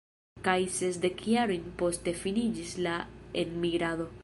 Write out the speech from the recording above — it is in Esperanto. Kaj sesdek jarojn poste finiĝis la enmigrado.